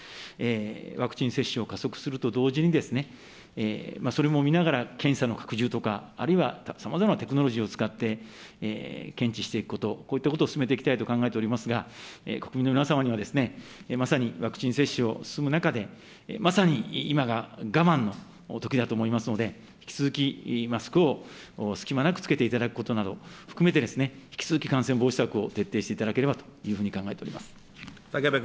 ワクチン接種を加速すると同時に、それも見ながら、検査の拡充とか、あるいはさまざまなテクノロジーを使って、検知していくこと、こういったことを進めていきたいと考えておりますが、国民の皆様には、まさにワクチン接種を進む中で、まさに今が我慢のときだと思いますので、引き続き、マスクを隙間なく着けていただくことなどを含めて、引き続き感染防止策を徹底していただければと考えております。